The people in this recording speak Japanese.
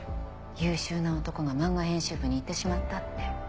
優秀な男が漫画編集部に行ってしまったって。